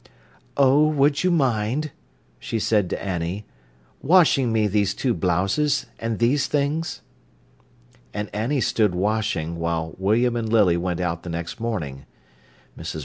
"Oh, would you mind," she said to Annie, "washing me these two blouses, and these things?" And Annie stood washing when William and Lily went out the next morning. Mrs.